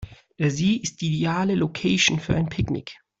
Der See ist die ideale Location für ein Picknick.